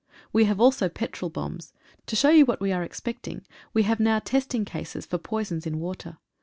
We have also petrol bombs. To show you what we are ex pecting, we have now testing cases for poisons in water.